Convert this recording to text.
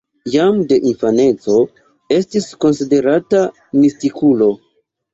Jam de infaneco estis konsiderata mistikulo.